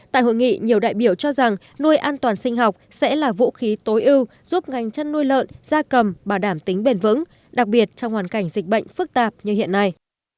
tại hội nghị nhiều đại biểu cho rằng nuôi an toàn sinh học sẽ là vũ khí tối ưu giúp ngành chăn nuôi lợn gia cầm bảo đảm tính bền vững đặc biệt trong hoàn cảnh dịch bệnh phức tạp như hiện nay